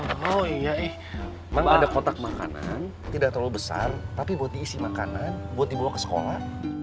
emang ada kotak makanan tidak terlalu besar tapi buat diisi makanan buat dibawa ke sekolah